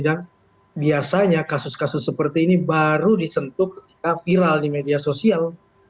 dan biasanya kasus kasus seperti ini baru disentuh viral di media sosial